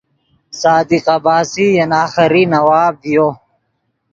صادق عباسی ین آخری نواب ڤیو